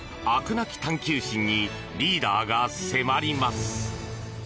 なき探究心にリーダーが迫ります。